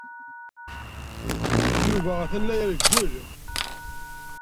Yuba atan la irewwel.